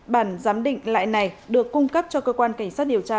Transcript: bản giám định lại này được cung cấp cho cơ quan cảnh sát điều tra